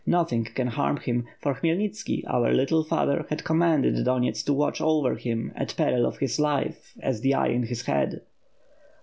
Nothing can harm him, for Khmyelnitski, our little father, has com manded Donyets to watch over him at peril of his life as the eye in his head."